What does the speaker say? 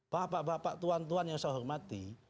bapak bapak tuan tuan yang saya hormati